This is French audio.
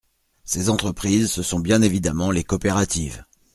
Ces entreprises, ce sont bien évidemment les coopératives.